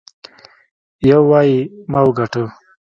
يو وايي ما وګاټه.